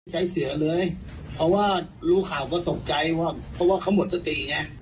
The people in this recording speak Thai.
ใจเสียเลยเพราะว่ารู้ข่าวก็ตกใจว่าเพราะว่าเขาหมดสติไง